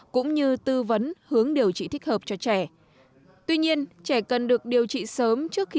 cũng như tư vấn hướng điều trị thích hợp cho trẻ tuy nhiên trẻ cần được điều trị sớm trước khi